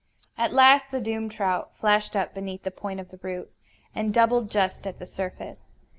At last the doomed trout flashed up beneath the point of the root, and doubled just at the surface.